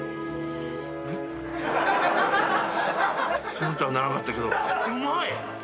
すっとはならなかったけどうまい！